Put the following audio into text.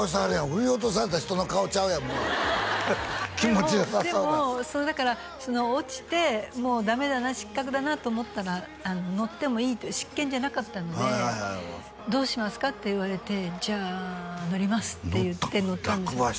振り落とされた人の顔ちゃうやん気持ちよさそうなでもそうだから落ちてもうダメだな失格だなと思ったら乗ってもいいという失権じゃなかったのでどうしますか？って言われてじゃあ乗りますって言って乗ったんです